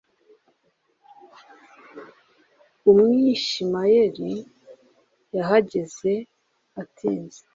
Umwishimayeli yahageze atinze